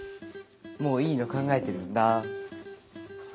もういいの考えてるんだ。